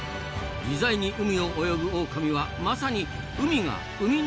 自在に海を泳ぐオオカミはまさに海が生みの親！